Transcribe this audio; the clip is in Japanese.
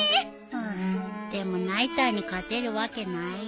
うんでもナイターに勝てるわけないよ。